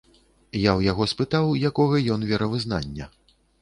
Я ў яго спытаў, якога ён веравызнання.